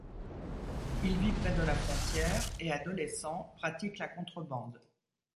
Il vit près de la frontière et, adolescent, pratique la contrebande.